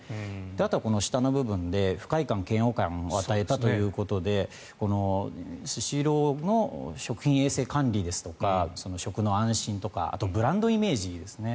あとは下の部分で不快感嫌悪感を与えたということでスシローの食品衛生管理ですとか食の安心とかあとはブランドイメージですね。